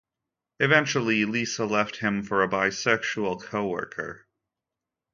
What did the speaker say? Eventually Lisa left him for a bi-sexual co-worker.